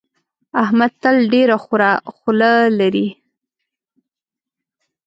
احمد تل ډېره خوره خوله لري.